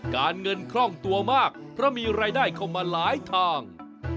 การเงินคล่องตัวมากเพราะมีรายได้เข้ามาหลายทาง